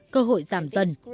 cơ hội giảm dần